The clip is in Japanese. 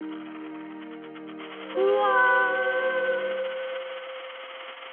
ふわ。